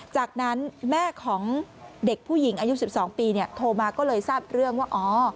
จากนั้นแม่ของเด็กผู้หญิงอายุ๑๒ปีโทรมาก็เลยทราบเรื่องว่าอ๋อ